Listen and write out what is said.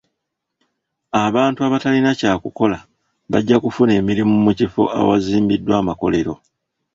Abantu abatalina kya kukola bajja kufuna emirimu mu kifo awazimbiddwa amakolero.